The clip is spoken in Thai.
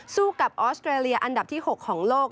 สู้กับออสเตรเลียอันดับที่๖ของโลก